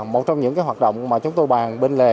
một trong những hoạt động mà chúng tôi bàn bên lề